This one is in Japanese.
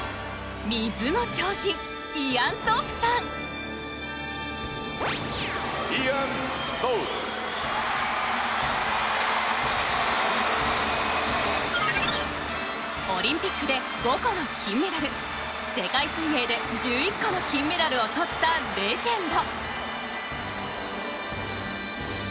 「イアン・ソープ」オリンピックで５個の金メダル世界水泳で１１個の金メダルを取ったレジェンド。